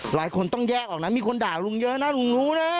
หลายคนต้องแยกออกนะมีคนด่าลุงเยอะนะลุงรู้นะ